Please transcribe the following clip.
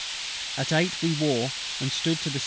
At eight we wore, and stood to the S.